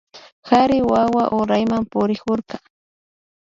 Kari wawa urayman purikurka